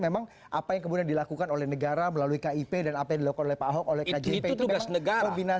memang apa yang kemudian dilakukan oleh negara melalui kip dan apa yang dilakukan oleh pak ahok oleh kjp itu memang